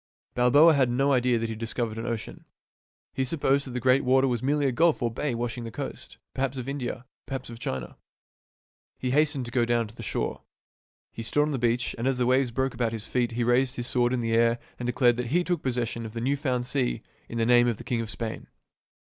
Balboa had no idea that he had discovered an ocean. He supposed that the great water was merely a gulf or bay washing the coast, perhaps of India, perhaps of China. He hastened to get down to the shore. He stood on the beach, and as the waves broke about his feet he raised his sword in the air and declared that he took possession of the new found sea in the name of the king of Spain.